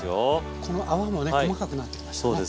この泡もね細かくなってきましたね。